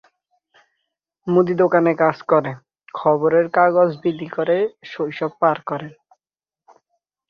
মুদি দোকানে কাজ করে, খবরের কাগজ বিলি করে শৈশব পার করেন।